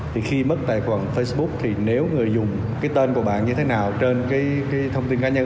thì khi mất tài khoản facebook thì nếu người dùng cái tên của bạn như thế nào trên cái thông tin cá nhân